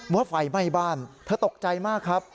ว่าไฟไหม้บ้านเธอตกใจมากครับ